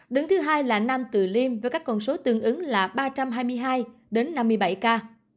đứng thứ hai là nam từ liêm với các con số tương ứng là ba trăm hai mươi hai đến năm mươi bảy ca